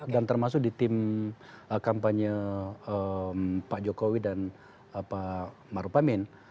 dan termasuk di tim kampanye pak jokowi dan pak marupamin